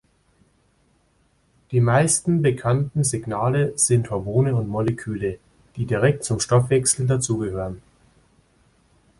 Die meisten bekannten Signale sind Hormone und Moleküle, die direkt zum Stoffwechsel dazu gehören.